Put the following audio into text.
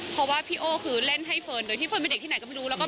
เพราะว่าพี่โอ้คือเล่นให้เฟิร์นโดยที่เฟิร์นเป็นเด็กที่ไหนก็ไม่รู้แล้วก็